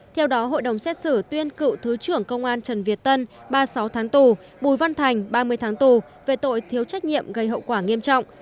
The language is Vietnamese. theo đó hội đồng xét xử tuyên cựu thứ trưởng công an trần việt tân ba mươi sáu tháng tù bùi văn thành ba mươi tháng tù về tội thiếu trách nhiệm gây hậu quả nghiêm trọng